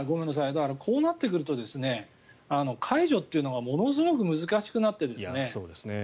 だからこうなってくると解除というのがものすごく難しくなってですね。